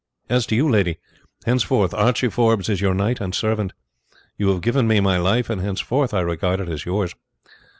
As to you, lady, henceforth Archie Forbes is your knight and servant. You have given me my life, and henceforth I regard it as yours.